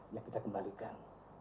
yang kita kembalikan